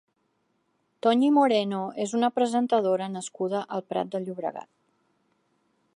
Toñi Moreno és una presentadora nascuda al Prat de Llobregat.